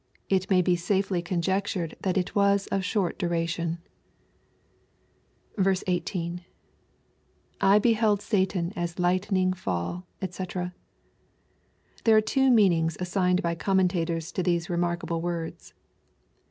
It may be safely conjectured that it was of short duration. L8. —[/ hthdd SoUan as lightning faUj Sc,] There are two meanings assigned by commentators to these remarkable words.